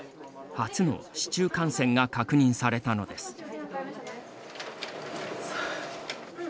初の市中感染が確認されたのです。